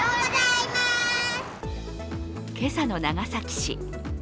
今朝の長崎市。